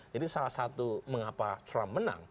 jadi salah satu mengapa trump menang